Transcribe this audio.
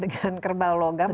dengan kerbau logam